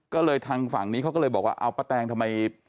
ก็เลยทางฝั่งนี้เขาก็เลยบอกว่าเอาป้าแตงทำไม